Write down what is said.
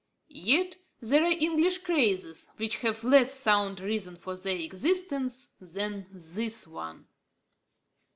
Yet there are English crazes which have less sound reason for their existence than this one.